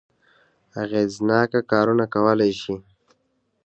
اغېزناک کارونه کولای شي.